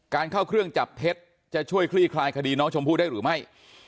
เข้าเครื่องจับเท็จจะช่วยคลี่คลายคดีน้องชมพู่ได้หรือไม่